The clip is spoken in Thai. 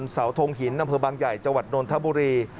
เสาทงหินนำเผือบังใหญ่จวดโนรทบุรี